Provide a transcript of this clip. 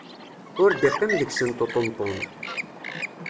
Ur d-iqqim deg-sent uṭenṭun.